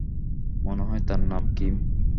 মনে হয় তার নাম কিম।